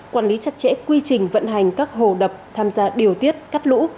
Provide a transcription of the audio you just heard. quản lý chặt chẽ quy trình vận hành các hồ đập tham gia điều tiết cắt lũ